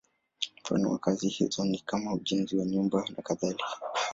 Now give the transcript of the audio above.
Mfano wa kazi hizo ni kama ujenzi wa nyumba nakadhalika.